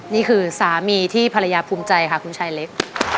นี่คือสามีที่ภรรยาภูมิใจค่ะคุณชายเล็ก